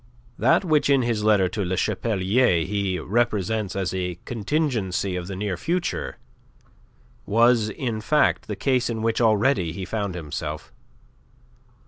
That which in his letter to Le Chapelier he represents as a contingency of the near future was, in fact, the case in which already he found himself.